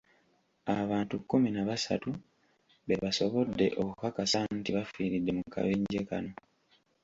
Abantu kkumi na basatu be basobodde okukakasa nti bafiiridde mu kabenje kano.